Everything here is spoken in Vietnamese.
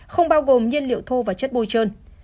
không bao gồm nhiên liệu thô và chất bôi trơn